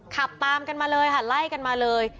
ขับตามกันมาเลยค่ะไล่กันมาเลย